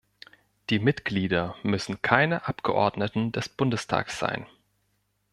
Die Mitglieder müssen keine Abgeordneten des Bundestags sein.